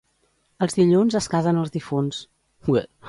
Els dilluns es casen els difunts.